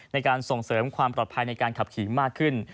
ในการส่งเสริมความปลอดภัยในการขับขี่มากขึ้น